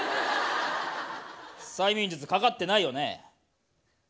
催眠術かかってないよね。